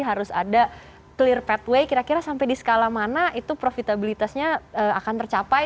harus ada clear pathway kira kira sampai di skala mana itu profitabilitasnya akan tercapai